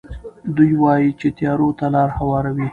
دوی وايي چې تیارو ته لارې هواروي.